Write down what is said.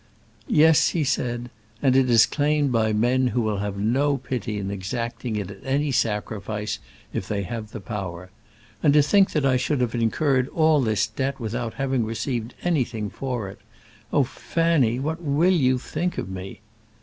"Yes," he said; "and it is claimed by men who will have no pity in exacting it at any sacrifice, if they have the power. And to think that I should have incurred all this debt without having received anything for it. Oh, Fanny, what will you think of me!"